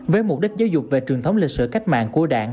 với mục đích giáo dục về truyền thống lịch sử cách mạng của đảng